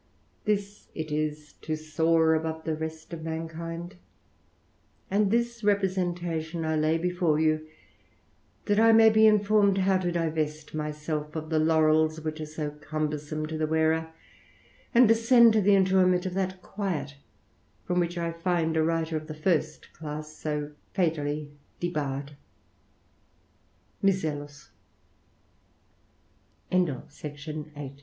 This it is to wu above the rest of mankind ; and this representation 36 THE RAMBLER. I lay before you, that I may be informed how to dives myself of the laurels which are so cumbersome to the wearei and descend to the enjojmaent of that quiet, from which J find a writer of the first class so fatally debarred. MiSELLUS.